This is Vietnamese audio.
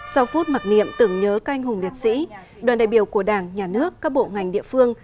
sau phút mặc niệm tưởng nhớ canh hùng liệt sĩ đoàn đại biểu của đảng nhà nước các bộ ngành địa phương